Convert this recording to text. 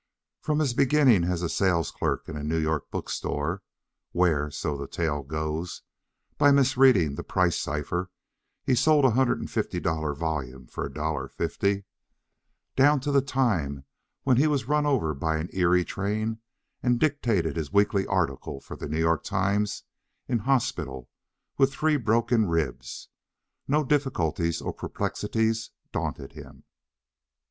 From his beginning as a sales clerk in a New York bookstore (where, so the tale goes, by misreading the price cipher he sold a $150 volume for $1.50) down to the time when he was run over by an Erie train and dictated his weekly article for the New York Times in hospital with three broken ribs, no difficulties or perplexities daunted him.